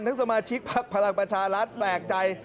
ทั้งสมาชิกภักดิ์พลังประชารัฐแปลกใจ